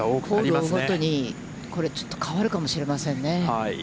ホールを追うごとに変わるかもしれませんね。